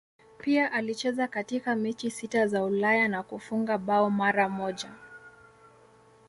Pia alicheza katika mechi sita za Ulaya na kufunga bao mara moja.